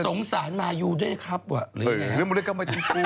สงสารมาอยู่ด้วยครับว่ะหรืออย่างนี้มันเรียกว่ามาจี๊กู้